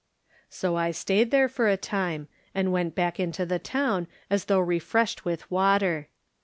So I stayed there for a time and went back into the town as though refreshed with water.